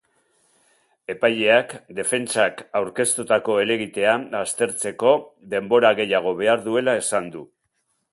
Epaileak defentsak aurkeztutako helegitea aztertzeko denbora gehiago behar duela esan du.